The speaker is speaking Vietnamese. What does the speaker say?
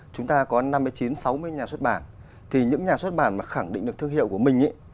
chúng ta có năm mươi chín sáu mươi nhà xuất bản thì những nhà xuất bản mà khẳng định được thương hiệu của mình